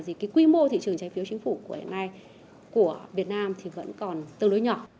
thì cái quy mô thị trường trái phiếu chính phủ của hiện nay của việt nam thì vẫn còn tương đối nhỏ